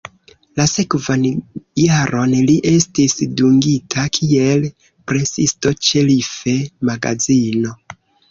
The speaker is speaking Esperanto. La sekvan jaron li estis dungita kiel presisto ĉe "Life"-magazino.